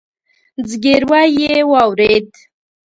ځګيروی يې واورېد.